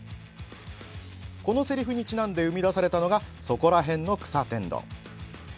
このせりふにちなんで生み出されたのが「そこらへんの草天丼」。